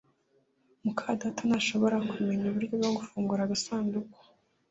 muka data ntashobora kumenya uburyo bwo gufungura agasanduku